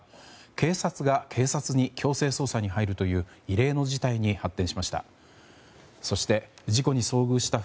警察が警察に強制捜査に入るという異例の事態に発展しました。